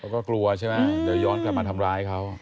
ก็กลัวใช่ไหมเดี๋ยวย้อนกลับมาทำร้ายเขา